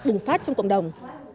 bùng phát trong cộng đồng